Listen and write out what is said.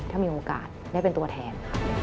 ถ้ามีโอกาสได้เป็นตัวแทนค่ะ